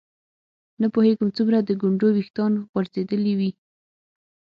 نه پوهېږم څومره د ګونډو ویښتان غورځېدلي وي.